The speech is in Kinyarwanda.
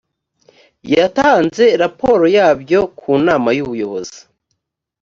yatanze raporo yabyo ku nama y’ubuyobozi.